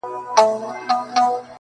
روح مي خبري وکړې روح مي په سندرو ويل.